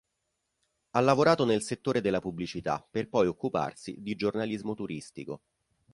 Ha lavorato nel settore della pubblicità per poi occuparsi di giornalismo turistico.